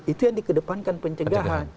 itu yang di kedepankan pencegahan